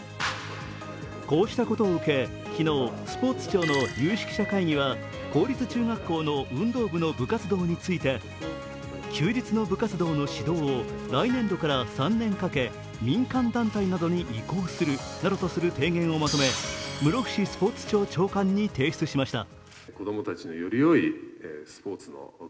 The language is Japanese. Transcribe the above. こうしたことを受け、昨日、スポー庁の有識者会議は公立中学校の運動部の部活動について休日の部活動の指導を来年度から３年かけ民間団体などに移行するなどとする提言をまとめ室伏スポーツ庁長官に提出しました。